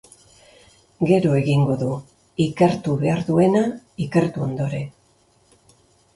Gero egingo du, ikertu behar duena ikertu ondoren.